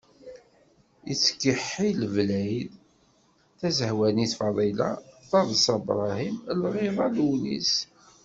Yettkeḥḥil Belɛid, Tazehwanit Faḍila, Taḍsa Brahim, Lɣiḍa Lewnis.